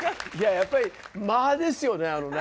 やっぱり間ですよねあのね。